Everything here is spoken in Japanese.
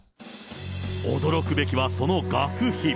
驚くべきはその学費。